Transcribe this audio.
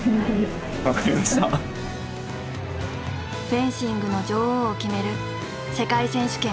フェンシングの女王を決める世界選手権。